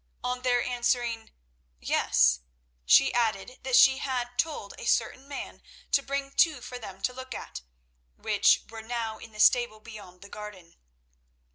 On their answering "Yes," she added that she had told a certain man to bring two for them to look at, which were now in the stable beyond the garden.